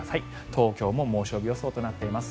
東京も猛暑日予想となっています